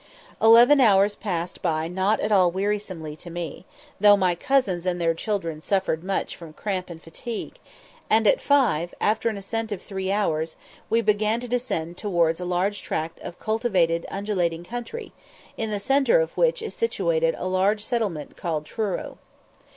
Eleven hours passed by not at all wearisomely to me, though my cousins and their children suffered much from cramp and fatigue, and at five, after an ascent of three hours, we began to descend towards a large tract of cultivated undulating country, in the centre of which is situated a large settlement called Truro.